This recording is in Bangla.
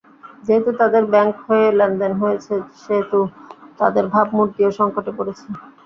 যেহেতু তাদের ব্যাংক হয়ে লেনদেন হয়েছে, সেহেতু তাদের ভাবমূর্তিও সংকটে পড়েছে।